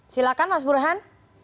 silakan mas burhan